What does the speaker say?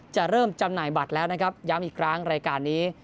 เริ่มจำหน่ายบัตรแล้วนะครับย้ำอีกครั้งรายการนี้